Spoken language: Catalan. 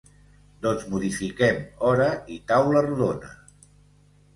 Doncs modifiquem hora i taula rodona.